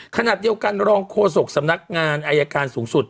ขณะเดียวกันรองโฆษกสำนักงานอายการสูงสุด